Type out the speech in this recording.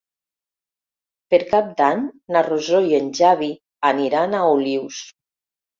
Per Cap d'Any na Rosó i en Xavi aniran a Olius.